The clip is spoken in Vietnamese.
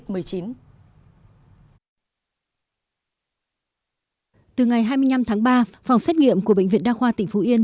từ ngày hai mươi năm tháng ba phòng xét nghiệm của bệnh viện đa khoa tỉnh phú yên